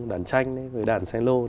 đàn tranh với đàn xe lô